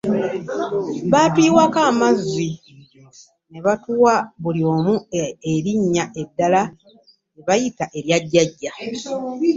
Baatuyiwako amazzi ne batuwa buli omu erinnya eddala lye baayita erya jjajja.